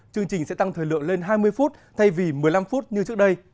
chương trình sẽ tăng thời lượng lên hai mươi phút thay vì một mươi năm phút như trước đây